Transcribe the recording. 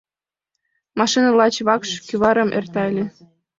Машина лач вакш кӱварым эрта ыле.